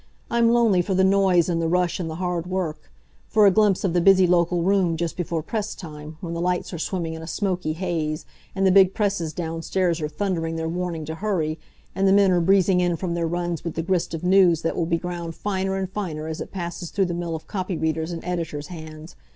I'm lonely for the noise and the rush and the hard work; for a glimpse of the busy local room just before press time, when the lights are swimming in a smoky haze, and the big presses downstairs are thundering their warning to hurry, and the men are breezing in from their runs with the grist of news that will be ground finer and finer as it passes through the mill of copy readers' and editors' hands.